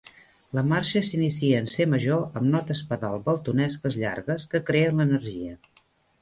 La marxa s'inicia en C major amb notes pedal waltonesques llargues, que creen l'energia.